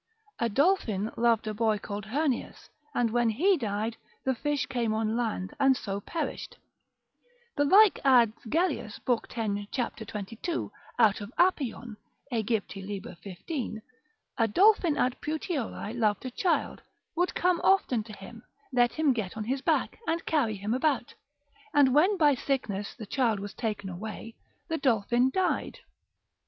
A dolphin loved a boy called Hernias, and when he died, the fish came on land, and so perished. The like adds Gellius, lib. 10. cap. 22. out of Appion, Aegypt. lib. 15. a dolphin at Puteoli loved a child, would come often to him, let him get on his back, and carry him about, and when by sickness the child was taken away, the dolphin died.